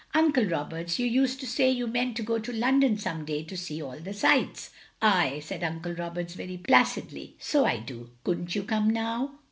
"Uncle Roberts, you used to say you meant to go to London some day to see all the sights. " "Aye," said Uncle Roberts, very placidly, "soldo." "Couldn't you come now?